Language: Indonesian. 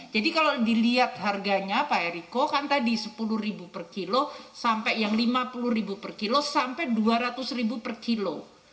jadi kalau dilihat harganya pak eriko kan tadi sepuluh ribu per kilo sampai yang lima puluh ribu per kilo sampai dua ratus ribu per kilo